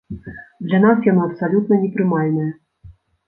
Для нас яно абсалютна непрымальнае.